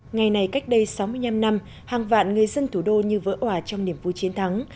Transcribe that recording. ngày này cách đây sáu mươi năm năm hàng vạn người dân thủ đô như vỡ hỏa trong niềm vui chiến thắng